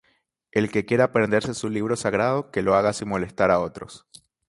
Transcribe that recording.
el que quiera aprenderse su libro sagrado, que lo haga sin molestar a otros